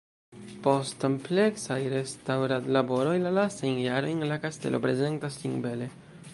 Post ampleksaj restaŭradlaboroj la lastajn jarojn la kastelo prezentas sin bele.